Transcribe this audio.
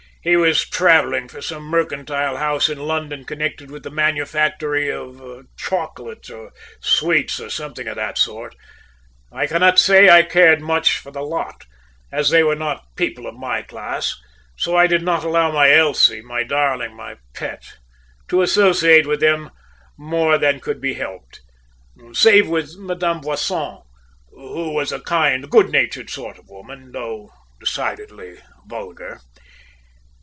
He was travelling for some mercantile house in London connected with the manufactory of chocolates or sweets, or something of that sort. I cannot say I cared much for the lot, as they were not people of my class, so I did not allow my Elsie, my darling, my pet, to associate with them more than could be helped, save with Madame Boisson, who was a kind, good natured sort of woman, though decidedly vulgar.